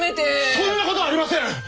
そんなことありません！